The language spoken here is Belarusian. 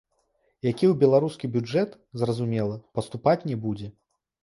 Які ў беларускі бюджэт, зразумела, паступаць не будзе.